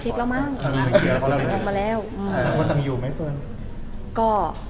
แต่เราทราบมาที่การงานเขาไหมคะ